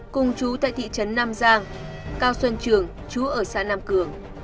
cùng chú tại thị trấn nam giang cao xuân trường chú ở xã nam cường